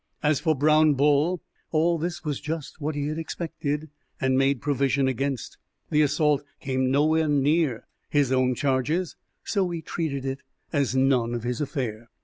As for Brown Bull, all this was just what he had expected and made provision against. The assault came nowhere near his own charges, so he treated it as none of his affair.